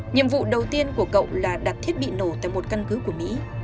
nhiệm vụ đầu tiên của cậu là đặt thiết bị nổ tại một căn cứ của mỹ